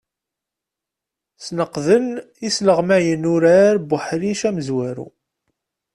Sneqden yisleɣmayen urar n uḥric amezwaru.